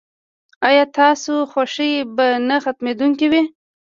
ایا ستاسو خوښي به نه ختمیدونکې وي؟